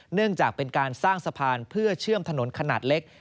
เนื่องจากเป็นการสร้างสะพานเพื่อเชื่อมถนนขนาดเล็ก